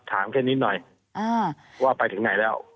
ถามแค่นิดหน่อยว่าไปถึงไหนแล้ว